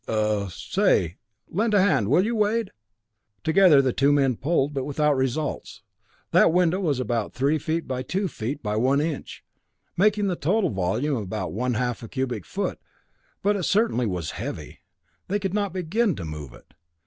"Uh say, lend a hand will you, Wade." Together the two men pulled, but without results. That window was about three feet by two feet by one inch, making the total volume about one half a cubic foot, but it certainly was heavy. They could not begin to move it.